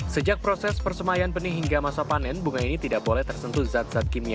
sejak proses persemayan benih hingga masa panen bunga ini tidak boleh tersentuh zat zat kimia